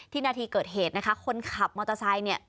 นาทีเกิดเหตุนะคะคนขับมอเตอร์ไซค์เนี่ย